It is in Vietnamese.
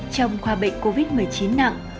trong khoa bệnh covid một mươi chín nặng